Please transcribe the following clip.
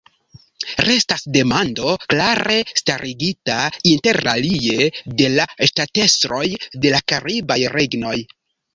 Restas demando klare starigita, interalie, de la ŝtatestroj de la karibaj regnoj.